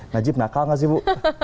najib nakal gak sih bu